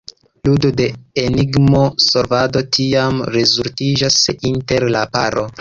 Ludo de enigmo-solvado tiam rezultiĝas inter la paro.